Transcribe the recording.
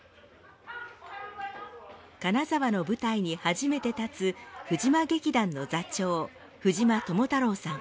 金沢の舞台に初めて立つ藤間劇団の座長藤間智太郎さん。